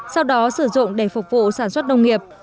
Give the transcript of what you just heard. sau đó sử dụng để phục vụ sản xuất nông nghiệp